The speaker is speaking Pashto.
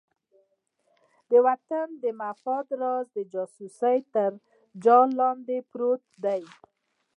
د وطن د مفاد راز د جاسوسۍ تر جال لاندې پروت دی.